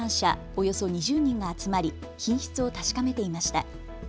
およそ２０人が集まり品質を確かめていました。